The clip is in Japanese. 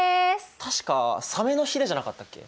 確かサメのヒレじゃなかったっけ？